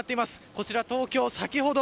こちら東京、先ほど